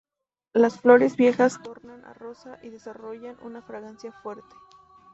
Las flores viejas tornan a rosa y desarrollan una fragancia fuerte.